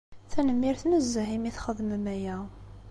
Tanemmirt nezzeh imi txedmem aya.